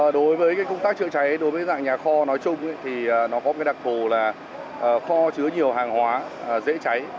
đối với công tác chữa cháy đối với dạng nhà kho nói chung thì nó có một đặc thù là kho chứa nhiều hàng hóa dễ cháy